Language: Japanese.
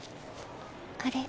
あれ。